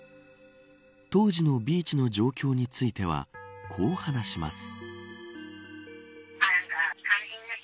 当時のビーチの状況についてはこう話します。